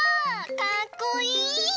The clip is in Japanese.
かっこいい！